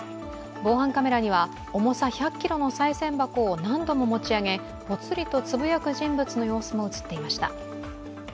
防犯カメラには重さ１００ｋｇのさい銭箱を何度も持ち上げ、ぽつりとつぶやく人物も映っていました。